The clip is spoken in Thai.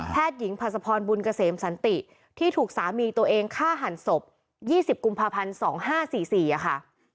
หญิงผัสพรบุญเกษมสันติที่ถูกสามีตัวเองฆ่าหันศพ๒๐กุมภาพันธ์๒๕๔๔ค่ะ